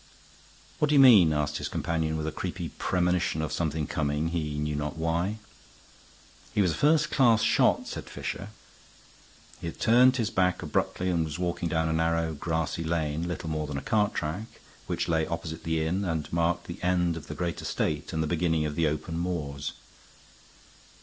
"What do you mean?" asked his companion, with a creepy premonition of something coming, he knew not why. "He was a first class shot," said Fisher. He had turned his back abruptly and was walking down a narrow, grassy lane, little more than a cart track, which lay opposite the inn and marked the end of the great estate and the beginning of the open moors.